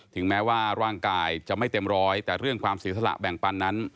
ถึงแม้ว่าร่างกายจะไม่เต็มร้อยแต่เรื่องความเสียสละแบ่งปันนั้น